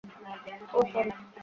ওহ, sorry.